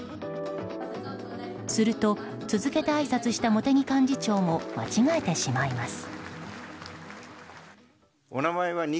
すると、続けてあいさつした茂木幹事長も間違えてしまいます。